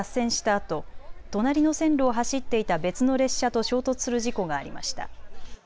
あと隣の線路を走っていた別の列車と衝突する事故がありました。